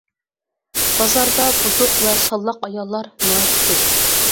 بازاردا بۇزۇق ۋە شاللاق ئاياللار ناھايىتى كۆپ.